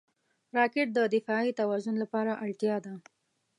راکټ د دفاعي توازن لپاره اړتیا ده